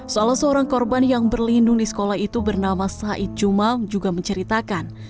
salah seorang korban yang berlindung di sekolah itu bernama said juma juga menceritakan